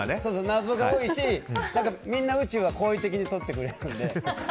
謎が多いし、みんな宇宙は好意的に取ってくれるので。